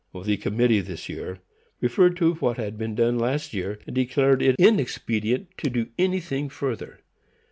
The committee this year referred to what had been done last year, and declared it inexpedient to do anything further.